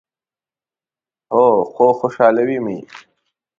هو، خو خوشحالوي می